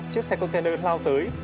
chiếc xe container lao tới